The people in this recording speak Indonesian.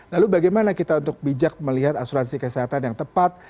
lalu bagaimana kita untuk bijak melihat asuransi kesehatan yang tepat